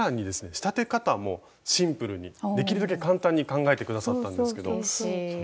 仕立て方もシンプルにできるだけ簡単に考えて下さったんですけどそれがねこちらなんですが。